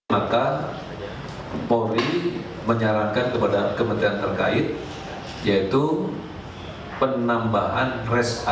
maka polri menyarankan kepada kementerian terkait yaitu penambahan res area